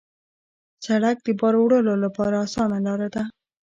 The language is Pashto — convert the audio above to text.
سړک د بار وړلو لپاره اسانه لاره ده.